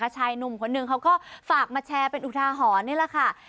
ชายหนุ่มคนหนึ่งเขาก็ฝากมาแชร์เป็นอุทาหรณ์นี่แหละค่ะ